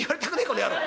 この野郎。